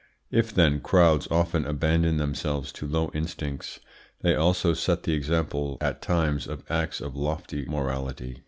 If, then, crowds often abandon themselves to low instincts, they also set the example at times of acts of lofty morality.